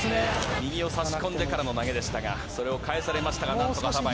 右を差し込んでからの投げでしたが、それを返されましたが、なんとかカバー。